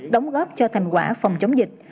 đóng góp cho thành quả phòng chống dịch